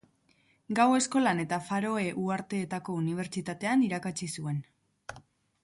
Gau-eskolan eta Faroe Uharteetako Unibertsitatean irakatsi zuen.